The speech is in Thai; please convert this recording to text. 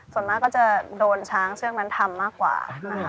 ส่วนมากก็จะโดนช้างเชือกนั้นทำมากกว่านะคะ